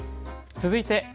続いて＃